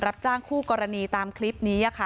รับจ้างคู่กรณีตามคลิปนี้ค่ะ